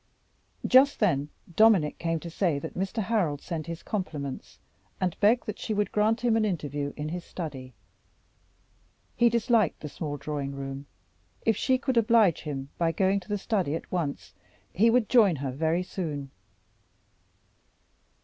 Just then Dominic came to say that Mr. Harold sent his compliments, and begged that she would grant him an interview in his study. He disliked the small drawing room: if she would oblige him by going to the study at once, he would join her very soon.